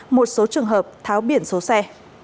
một số trường hợp tháo biển số xe